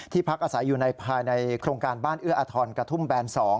พักอาศัยอยู่ภายในโครงการบ้านเอื้ออทรกระทุ่มแบน๒